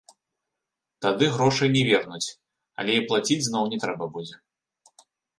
Тады грошай не вернуць, але і плаціць зноў не трэба будзе.